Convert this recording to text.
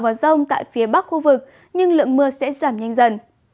và rông tại phía bắc khu vực nhưng lượng mưa sẽ giảm nhanh dần